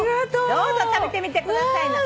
どうぞ食べてみてくださいな。